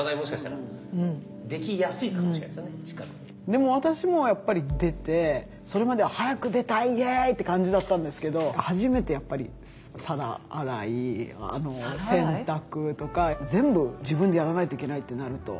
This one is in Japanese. でも私もやっぱり出てそれまでは「早く出たいイエイ！」って感じだったんですけど初めてやっぱり皿洗い洗濯とか全部自分でやらないといけないってなると。